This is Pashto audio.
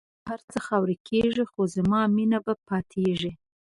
نور به هر څه خاوری کېږی خو زما مینه به پاتېږی